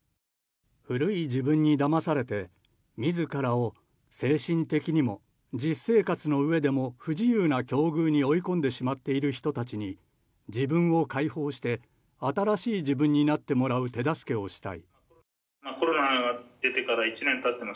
古い自分にだまされて自らを精神的にも実生活の上でも不自由な境遇に追い込んでしまっている人たちに自分を解放して新しい自分になってもらう手助けをしたい。